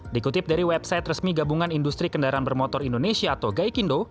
dikutip dari website resmi gabungan industri kendaraan bermotor indonesia atau gaikindo